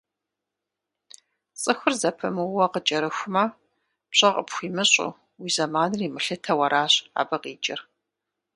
Цӏыхур зэпымыууэ къыкӏэрыхумэ, пщӏэ къыпхуимыщӏу, уи зэманыр имылъытэу аращ абы къикӏыр.